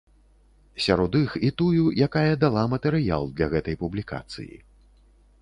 Сярод іх і тую, якая дала матэрыял для гэтай публікацыі.